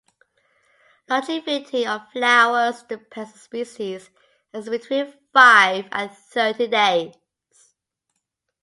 Longevity of flowers depends on the species and is between five and thirty days.